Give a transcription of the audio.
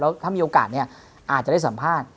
แล้วถ้ามีโอกาสอาจจะได้สัมภาษณ์